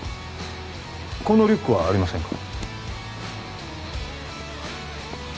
このリュックはありませんか？